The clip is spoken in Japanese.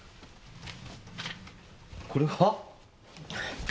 これは？